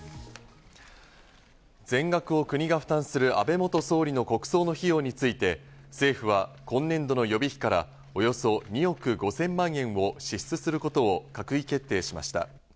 全額を国が負担する安倍元総理の国葬の費用について、政府は今年度の予備費からおよそ２億５０００万円を支出することを閣議決定しました。